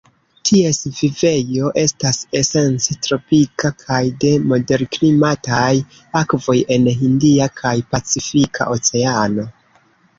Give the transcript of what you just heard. Ties vivejo estas esence tropika kaj de moderklimataj akvoj en Hindia kaj Pacifika Oceano.